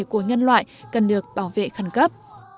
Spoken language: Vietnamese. của nhân loại cần được bảo vệ khẩn cấp